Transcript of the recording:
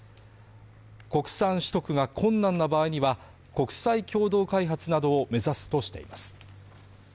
国産取得が困難な場合には、国際共同開発などを目指すとしています。